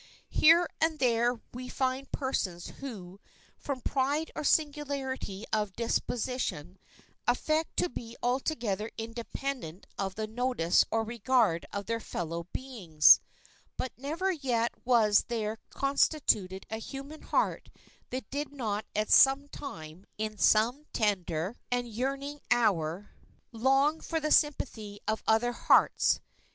Here and there we find persons who, from pride or singularity of disposition, affect to be altogether independent of the notice or regard of their fellow beings; but never yet was there constituted a human heart that did not at some time, in some tender and yearning hour, long for the sympathy of other hearts.